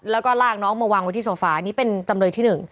แล้วก็ลากน้องมาวางไว้ที่โซฟานี่เป็นจำเลยที่๑